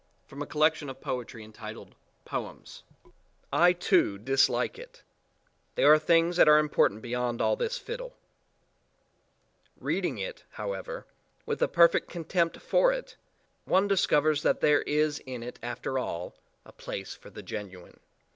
21 POEMS BY MARIANNE MOORE POETRY I too, dislike it: there are things that are important beyond all this fiddle. Reading it, however, with a perfect contempt for it, one discovers that there is in it after all, a place for the genuine.